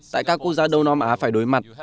tại các quốc gia đông nam á phải đối mặt